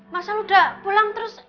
mas hal udah pulang terus